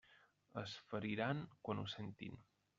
Es feriran quan ho sentin.